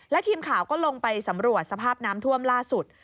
ทีมข่าวก็ลงไปสำรวจสภาพน้ำท่วมล่าสุด